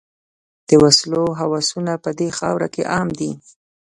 د وسلو هوسونه په دې خاوره کې عام دي.